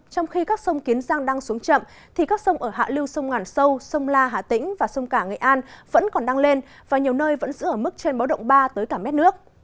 trong khi các sông kiến giang đang xuống chậm thì các sông ở hạ lưu sông ngàn sâu sông la hà tĩnh và sông cả nghệ an vẫn còn đang lên và nhiều nơi vẫn giữ ở mức trên báo động ba tới cả mét nước